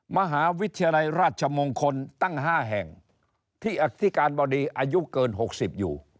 มหาวิทยาลัยราชมงคลตั้ง๕แห่งที่อธิการบดีอายุเกิน๖๐อยู่